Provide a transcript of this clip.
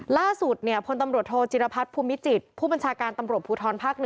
ล่าสุดพตโธจิรพันธ์พุมิจิตรผู้บัญชาการตำรวจภูทรภาค๑